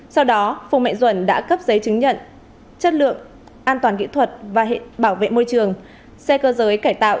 sau đó phùng mẹ duẩn đã cấp giấy chứng nhận chất lượng an toàn kỹ thuật và bảo vệ môi trường xe cơ giới cải tạo